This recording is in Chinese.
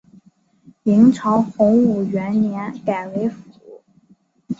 明朝洪武元年改为府。